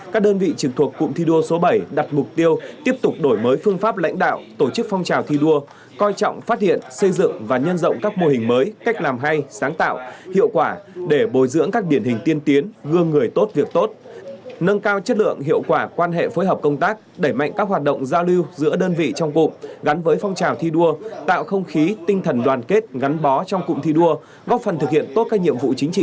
các đơn vị trực thuộc cụm thi đua số bảy đặt mục tiêu tiếp tục đổi mới phương pháp lãnh đạo tổ chức phong trào thi đua coi trọng phát hiện xây dựng và nhân rộng các mô hình mới cách làm hay sáng tạo hiệu quả để bồi dưỡng các điển hình tiên tiến gương người tốt việc tốt nâng cao chất lượng hiệu quả quan hệ phối hợp công tác đẩy mạnh các hoạt động giao lưu giữa đơn vị trong cụm gắn với phong trào thi đua tạo không khí tinh thần đoàn kết gắn bó trong cụm thi đua góp phần thực hiện tốt các nhiệm vụ chính